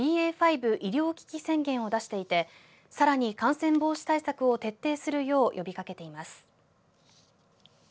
５医療危機宣言を出していてさらに感染防止対策を徹底するよう呼びかけています。